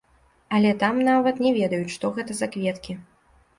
Але там нават не ведаюць, што гэта за кветкі.